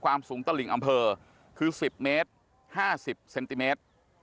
สูงตลิ่งอำเภอคือ๑๐เมตร๕๐เซนติเมตร